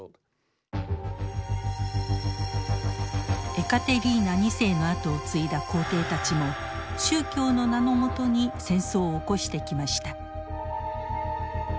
エカテリーナ２世のあとを継いだ皇帝たちも宗教の名のもとに戦争を起こしてきました。